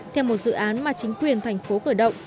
theo một dự án mà chính quyền thành phố khởi động